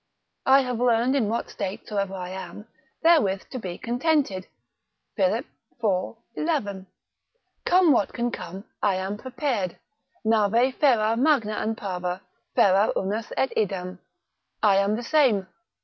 I have learned in what state soever I am, therewith to be contented, Philip, iv 11. Come what can come, I am prepared. Nave ferar magna an parva, ferar unus et idem. I am the same.